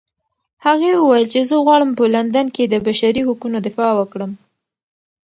هغې وویل چې زه غواړم په لندن کې د بشري حقونو دفاع وکړم.